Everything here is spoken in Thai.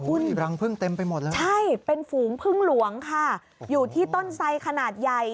อุ๊ยคุณใช่เป็นฝูงพึ่งหลวงค่ะอยู่ที่ต้นไซค์ขนาดใหญ่